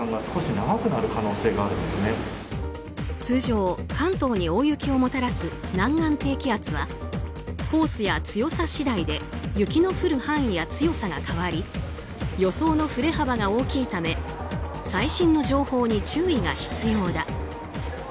通常、関東に大雪をもたらす南岸低気圧はコースや強さ次第で雪の降る範囲や強さが変わり予想の振れ幅が大きいため最新の情報に注意が必要だ。